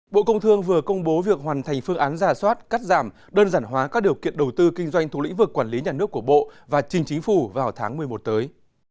bộ công thương vừa công bố việc hoàn thành phương án giả soát cắt giảm đơn giản hóa các điều kiện đầu tư kinh doanh thuộc lĩnh vực quản lý nhà nước của bộ và chính chính phủ vào tháng một mươi một tới